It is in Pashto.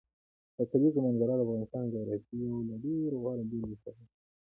د کلیزو منظره د افغانستان د جغرافیې یو له ډېرو غوره بېلګو څخه ده.